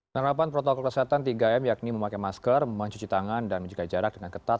penerapan protokol kesehatan tiga m yakni memakai masker mencuci tangan dan menjaga jarak dengan ketat